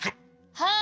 はい！